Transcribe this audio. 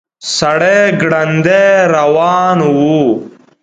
سړی ګړندي روان و.